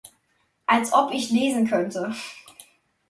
Als ob ich lesen könnte.